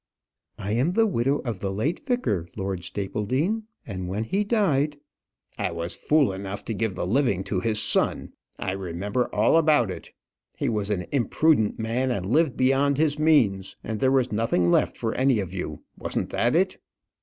"I am the widow of the late vicar, Lord Stapledean; and when he died " "I was fool enough to give the living to his son. I remember all about it. He was an imprudent man, and lived beyond his means, and there was nothing left for any of you wasn't that it?"